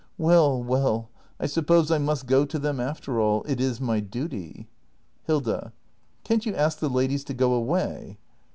Well, well, I suppose I must go to them after all. It is my duty. Hilda. Can't you ask the ladies to go away